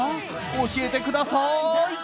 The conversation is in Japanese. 教えてください！